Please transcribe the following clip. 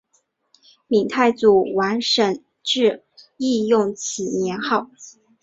闽太祖王审知亦用此年号。